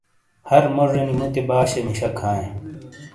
ہر موجینی موتی باشے مشک ہائں۔